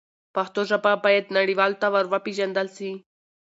پښتو ژبه باید نړیوالو ته ور وپیژندل سي.